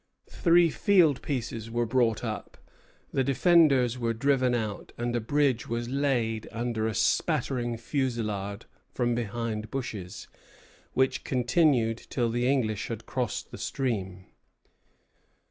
Three field pieces were brought up, the defenders were driven out, and a bridge was laid under a spattering fusillade from behind bushes, which continued till the English had crossed the stream.